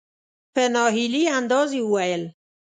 په نا هیلي انداز یې وویل .